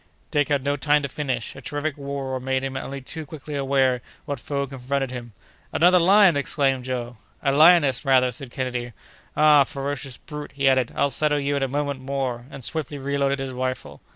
—" Dick had no time to finish; a terrific roar made him only too quickly aware what foe confronted him. "Another lion!" exclaimed Joe. "A lioness, rather," said Kennedy. "Ah! ferocious brute!" he added, "I'll settle you in a moment more!" and swiftly reloaded his rifle.